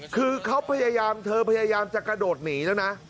คือเขาพยายามเธอพยายามจะกระโดดหนีแล้วนะ